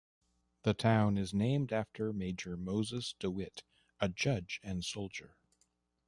The town is named after Major Moses DeWitt, a judge and soldier.